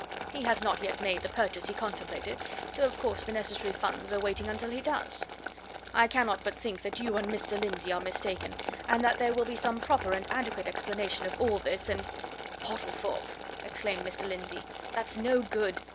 He has not yet made the purchase he contemplated, so of course the necessary funds are waiting until he does. I cannot but think that you and Mr. Lindsey are mistaken, and that there will be some proper and adequate explanation of all this, and " "Portlethorpe!" exclaimed Mr. Lindsey, "that's no good.